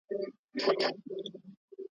د زمري په کابینه کي خر وزیر وو.